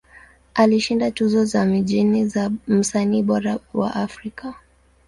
Alishinda tuzo za mijini za Msanii Bora wa Afrika.